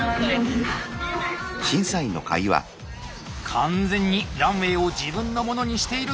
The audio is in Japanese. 完全にランウェイを自分のものにしているか豊田。